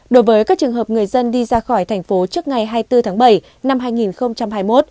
đối với các trường hợp người dân đi ra khỏi thành phố trước ngày hai mươi bốn tháng bảy năm hai nghìn hai mươi một